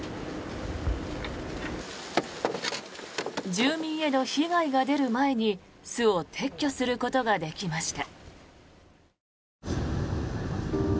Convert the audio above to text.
住民への被害が出る前に巣を撤去することができました。